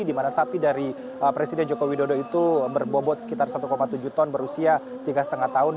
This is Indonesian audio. di mana sapi dari presiden joko widodo itu berbobot sekitar satu tujuh ton berusia tiga lima tahun